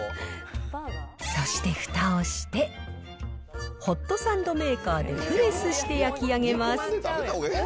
そしてふたをして、ホットサンドメーカーでプレスして焼き上げます。